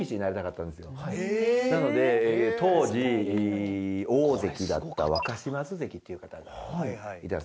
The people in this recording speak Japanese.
なので当時大関だった若嶋津関っていう方がいたんです。